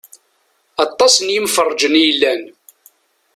Aṭas n yemferrǧen i yellan.